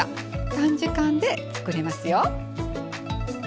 短時間で作れますよ。